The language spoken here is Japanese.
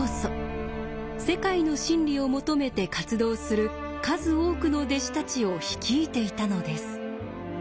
世界の真理を求めて活動する数多くの弟子たちを率いていたのです。